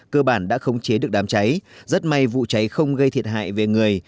cơ bản đã khống chế được đám cháy rất may vụ cháy không gây thiệt hại về người